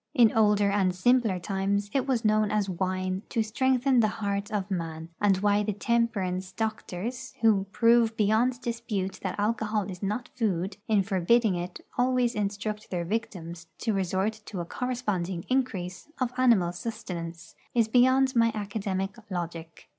In older and simpler times it was known as wine to strengthen the heart of man; and why the temperance doctors, who prove beyond dispute that alcohol is not food, in forbidding it always instruct their victims to resort to a corresponding increase of animal sustenance, is beyond my academic logic.